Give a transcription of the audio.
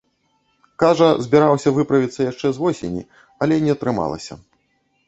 Кажа, збіраўся выправіцца яшчэ з восені, але не атрымалася.